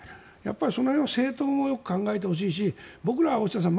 その辺は政党もよく考えてほしいし僕らは大下さん